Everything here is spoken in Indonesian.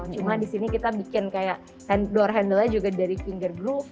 cuma disini kita bikin kayak door handle nya juga dari finger groove